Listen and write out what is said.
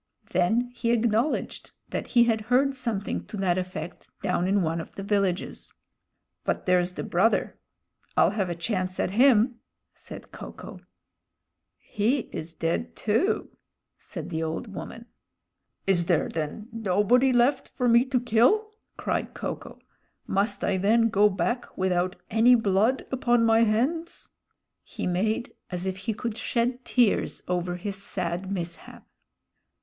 Then he acknowledged that he had heard something to that effect down in one of the villages. "But there's the brother. I'll have a chance at him," said Ko ko. "He is dead, too," said the old woman. "Is there then nobody left for me to kill!" cried Ko ko. "Must I then go back without any blood upon my hands?" He made as if he could shed tears over his sad mishap.